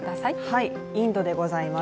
はい、インドでございます。